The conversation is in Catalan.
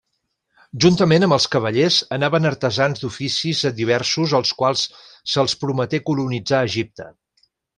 Juntament amb els cavallers anaven artesans d'oficis diversos als quals se'ls prometé colonitzar Egipte.